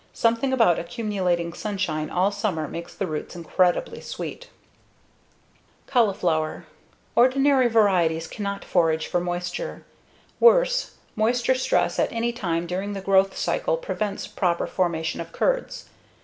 Something about accumulating sunshine all summer makes the roots incredibly sweet. Cauliflower Ordinary varieties cannot forage for moisture. Worse, moisture stress at any time during the growth cycle prevents proper formation of curds.